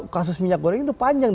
kasus minyak goreng ini sudah panjang